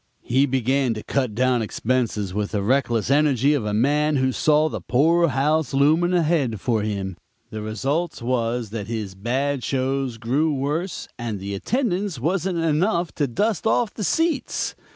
"He began to cut down expenses with the reckless energy of a man who saw the poor house looming ahead for him; the results was that his bad shows grew worse, and the attendance wasn't enough to dust off the seats.